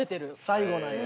最後なんや。